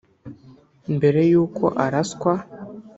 Mbere y’uko araswa